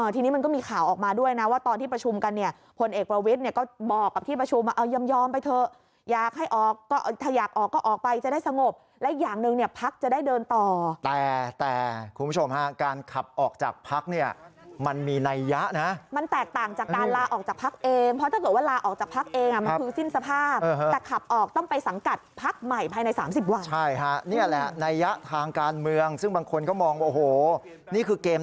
ทีนี้มันก็มีข่าวออกมาด้วยนะว่าตอนที่ประชุมกันเนี่ยผลเอกประวิทย์เนี่ยก็บอกกับที่ประชุมยอมไปเถอะอยากให้ออกก็ถ้าอยากออกก็ออกไปจะได้สงบและอย่างนึงเนี่ยพักจะได้เดินต่อแต่แต่คุณผู้ชมฮะการขับออกจากพักเนี่ยมันมีไนยะนะมันแตกต่างจากการลาออกจากพักเองเพราะถ้าเกิดว่าลาออกจากพักเองมันคื